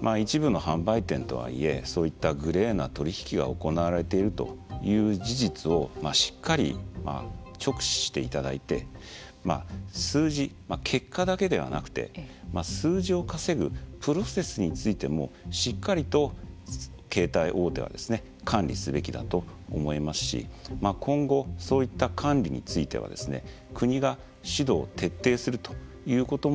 まあ一部の販売店とはいえそういったグレーな取り引きが行われているという事実をしっかり直視していただいて数字結果だけではなくて数字を稼ぐプロセスについてもしっかりと携帯大手は管理すべきだと思いますし今後そういった管理については国が指導を徹底するということも求められると思います。